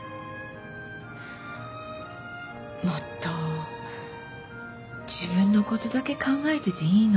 もっと自分のことだけ考えてていいの